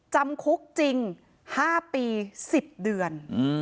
จำคุกจริง๕ปี๑๐เดือน